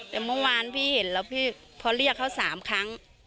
แต่เมื่อวานพี่เห็นแล้วพี่พอเรียกเขา๓ครั้ง